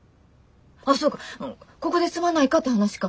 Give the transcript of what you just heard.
あぁそうここで住まないかって話か。